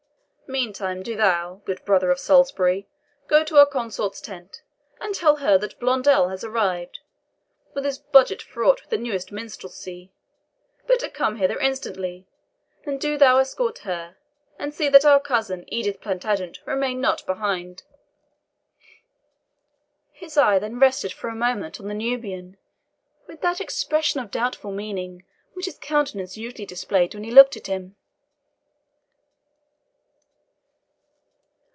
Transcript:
Meantime do thou, good brother of Salisbury, go to our consort's tent, and tell her that Blondel has arrived, with his budget fraught with the newest minstrelsy. Bid her come hither instantly, and do thou escort her, and see that our cousin, Edith Plantagenet, remain not behind." His eye then rested for a moment on the Nubian, with that expression of doubtful meaning which his countenance usually displayed when he looked at him.